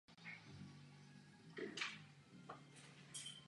Navíc nyní Komise zasahuje do národní mzdové politiky.